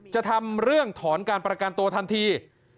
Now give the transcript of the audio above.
จะทำเรื่องถอนการประกันตัวทันที